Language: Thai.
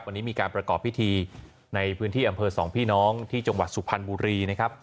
วันนี้มีการประกอบพิธีในพื้นที่อำเภอสองพี่น้องที่จังหวัดสุพรรณบุรีนะครับ